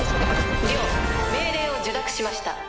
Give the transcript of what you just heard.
了命令を受諾しました。